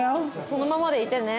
そのままでいてね。